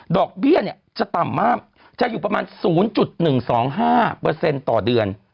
ดอกเบี้ยเนี่ยจะต่ำมากจะอยู่ประมาณ๐๑๒๕เปอร์เซ็นต์ต่อเดือน